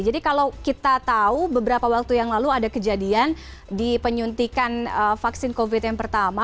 jadi kalau kita tahu beberapa waktu yang lalu ada kejadian di penyuntikan vaksin covid sembilan belas yang pertama